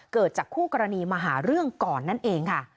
เกิดจากคู่กรณีมาหาเรื่องก่อนนั่นเองค่ะ